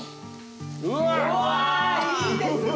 うわいいですね。